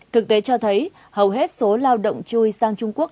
thực tế cho thấy hầu hết số lao động chui sang trung quốc